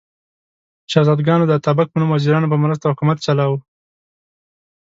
شهزادګانو د اتابک په نوم وزیرانو په مرسته حکومت چلاوه.